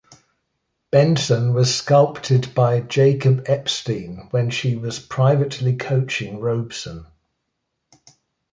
Benson was sculpted by Jacob Epstein when she was privately coaching Robeson.